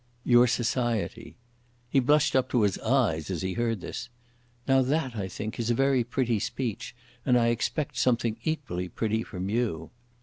"Your society." He blushed up to his eyes as he heard this. "Now that, I think, is a very pretty speech, and I expect something equally pretty from you."